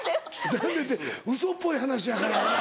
何でってウソっぽい話やから。